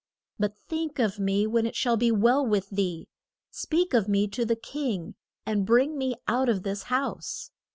But think of me when it shall be well with thee; speak of me to the king, and bring me out of this house.